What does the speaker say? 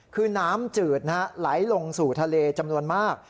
คือน้ำจืดไหลลงสู่ทะเลจำนวนมาก